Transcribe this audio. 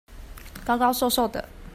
高高瘦瘦的